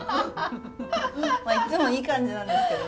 いつもいい感じなんですけどね。